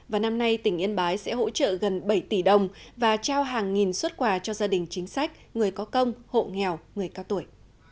và năm nay tỉnh yên bái sẽ hỗ trợ gần bảy tỷ đồng và trao hàng nghìn xuất quà cho gia đình chính sách người có công hộ nghèo người cao tuổi